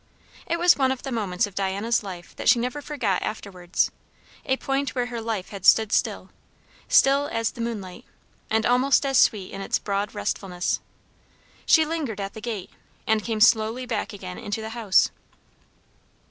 It was one of the minutes of Diana's life that she never forgot afterwards; a point where her life had stood still still as the moonlight, and almost as sweet in its broad restfulness. She lingered at the gate, and came slowly back again into the house.